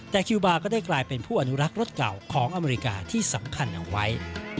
แต่คิวบาร์ก็ได้กลายเป็นผู้อนุรักษ์รถเก่าของอเมริกาที่สำคัญเอาไว้